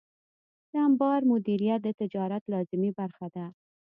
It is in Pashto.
د انبار مدیریت د تجارت لازمي برخه ده.